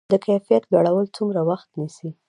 د کیفیت لوړول څومره وخت نیسي؟